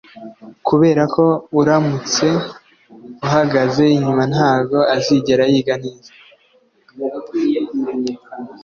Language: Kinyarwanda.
Kuberako uramutse uhagaze inyuma ntabwo azigera yiga neza